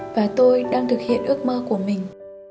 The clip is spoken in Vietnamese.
và tôi đang thực hiện ước mơ của mình